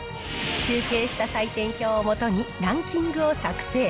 集計した採点表をもとに、ランキングを作成。